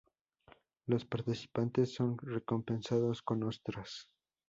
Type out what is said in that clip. Los participantes son recompensados con ostras.